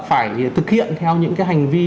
phải thực hiện theo những cái hành vi